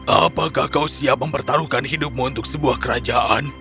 apakah kau siap mempertaruhkan hidupmu untuk sebuah kerajaan